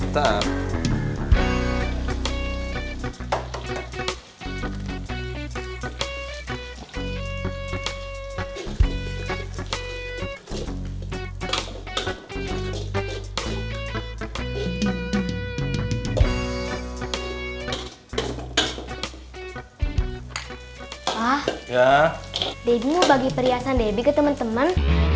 debbie mau bagi perhiasan debbie ke temen temen